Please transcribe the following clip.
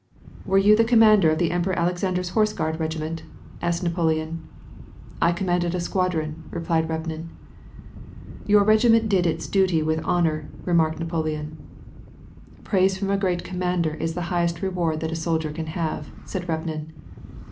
"Were you the commander of the Emperor Alexander's Hotse guard regiment ?" asked Napoleon. "I commanded a squadron," replied Repnin. "Your regiment did its duty with honor," remarked Napo Iboq. "Praise from a great commander is the highest reward that A soldier can have," said Repnin.